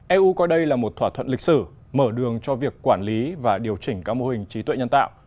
eu coi đây là một thỏa thuận lịch sử mở đường cho việc quản lý và điều chỉnh các mô hình trí tuệ nhân tạo